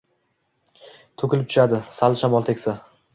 To’kilib tushadi sal shamol tegsa